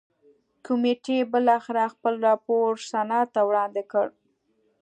کمېټې بالاخره خپل راپور سنا ته وړاندې کړ.